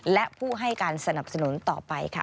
และผู้ให้การสนับสนุนต่อไปค่ะ